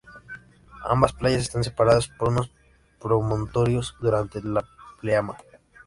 Ambas playas están separadas por unos promontorios durante la pleamar.